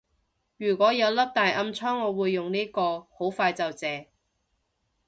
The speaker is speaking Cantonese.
如果有粒大暗瘡我會用呢個，好快就謝